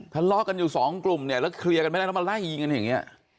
ทะเลาะกันอยู่สองกลุ่มเนี่ยแล้วเคลียร์กันไม่ได้แล้วมาไล่ยิงกันอย่างนี้